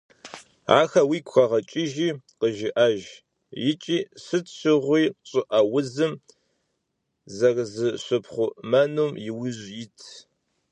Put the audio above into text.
Ахэр уигу къэгъэкӀыжи къыжыӀэж икӀи сыт щыгъуи щӀыӀэ узым зэрызыщыпхъумэнум иужь ит.